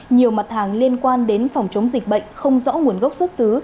nhiều mặt hàng liên quan đến phòng chống dịch bệnh không rõ nguồn gốc xuất xứ